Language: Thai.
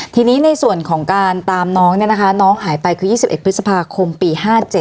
ทีนี้ในส่วนของการตามน้องน้องหายไปคือ๒๑พฤษภาคมปี๕๗